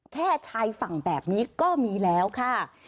ชายฝั่งแบบนี้ก็มีแล้วค่ะ